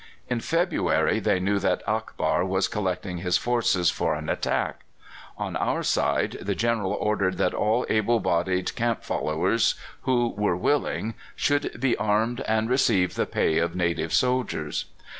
In February they knew that Akbar was collecting his forces for an attack. On our side the General ordered that all able bodied camp followers who were willing should be armed and receive the pay of native soldiers.